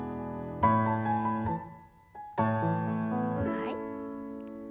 はい。